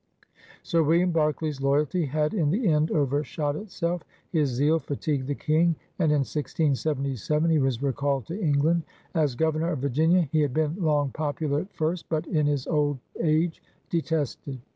Sir William Berkeley's loyalty had in the end overshot itself. His zeal fatigued the King, and in 1677 he was recalled to England. As Governor of Virginia he had been long popular at first but in his old age detested.